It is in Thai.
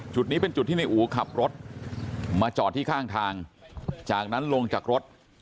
จุดนี้เป็นจุดที่ในอู๋ขับรถมาจอดที่ข้างทางจากนั้นลงจากรถ